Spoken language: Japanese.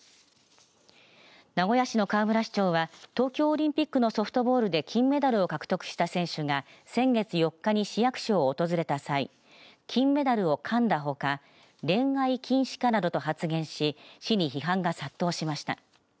名古屋市の河村市長は東京オリンピックのソフトボールで金メダルを獲得した選手が先月４日に市役所を訪れた際金メダルをかんだほか恋愛禁止かなどと発言し市に批判が殺到しました。